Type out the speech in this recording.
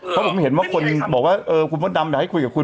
เพราะผมเห็นว่าคนบอกว่าเออคุณมดดำอยากให้คุยกับคุณ